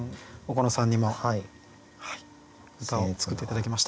岡野さんにも歌を作って頂きました。